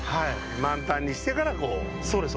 満タンにしてからこう。